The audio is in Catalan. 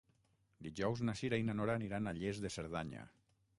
Dijous na Cira i na Nora aniran a Lles de Cerdanya.